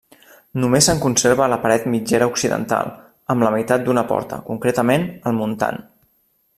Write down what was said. Només se'n conserva la paret mitgera occidental, amb la meitat d'una porta, concretament el muntant.